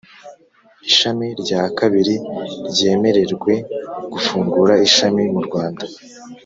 Ishami rya kabiri ryemererwe gufungura ishami mu Rwanda